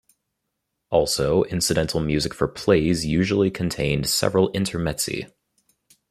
Also, incidental music for plays usually contained several intermezzi.